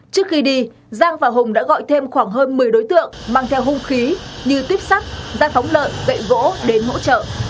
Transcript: trước khi đi giang và hùng đã gọi thêm khoảng hơn một mươi đối tượng mang theo hung khí như tuyếp sắt da phóng lợn gỗ đến hỗ trợ